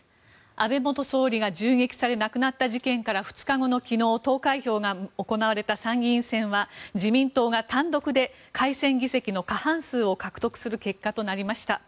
安倍元総理が銃撃され亡くなった事件から２日後の昨日、投開票が行われた参議院選は自民党が単独で改選議席の過半数を獲得する結果となりました。